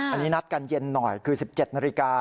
อันนี้นัดกันเย็นหน่อยคือ๑๗นาฬิกา